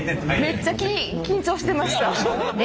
めっちゃ緊張してました。